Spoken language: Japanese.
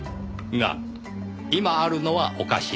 が今あるのはおかしい。